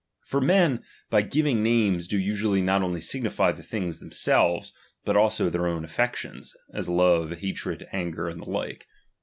For men, by giving Hames, do usually not only signify the things them selves, but also their own affections, as love, ha tred, anger, and the like.